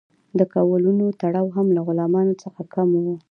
د کولونو تړاو هم له غلامانو څخه کم و.